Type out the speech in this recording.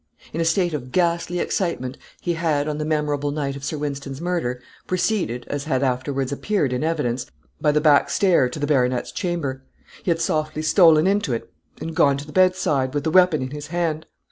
In a state of ghastly excitement he had, on the memorable night of Sir Wynston's murder, proceeded, as had afterwards appeared in evidence, by the back stair to the baronet's chamber; he had softly stolen into it, and gone to the bedside, with the weapon in his hand.